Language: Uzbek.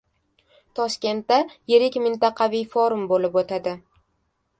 Toshkentda yirik mintaqaviy forum bo‘lib o‘tadi